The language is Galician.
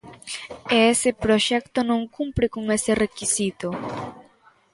E ese proxecto non cumpre con ese requisito.